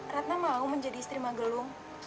ratna mau menjadi istri magelung